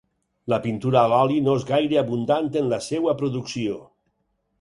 La pintura a l'oli no és gaire abundant en la seua producció.